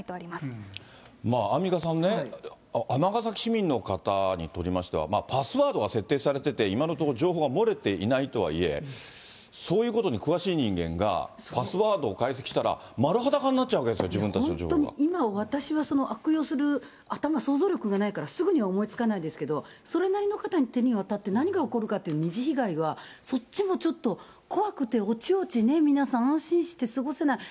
アンミカさんね、尼崎市民の方にとりましては、パスワードが設定されていて、今のところ情報が漏れていないとはいえ、そういうことに詳しい人間が、パスワードを解析したら、丸裸になっちゃうわけですよ、自本当に、今私はその悪用する頭、想像力がないから、すぐには思いつかないけど、それなりの方の手に渡って、何が起こるかって二次被害が、そっちもちょっと怖くて、おちおちね、皆さん、安心して過ごせない。